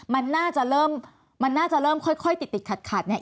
มันน่าจะเริ่มค่อยติดขัดเนี่ย